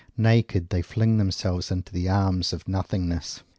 Naked, they fling themselves into the arms of Nothingness.